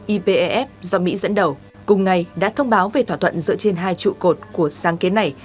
ipef do mỹ dẫn đầu cùng ngày đã thông báo về thỏa thuận dựa trên hai trụ cột của sáng kiến này